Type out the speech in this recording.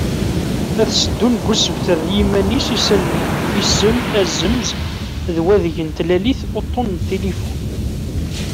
Ad sseddun deg usebter i yiman-is isallen-a: Isem, azemz d wadeg n tlalit, uṭṭun n tilifun.